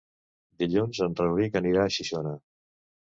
Dilluns en Rauric anirà a Xixona.